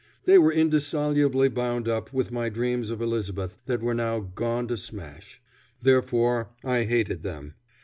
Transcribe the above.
They were indissolubly bound up with my dreams of Elizabeth that were now gone to smash. Therefore I hated them.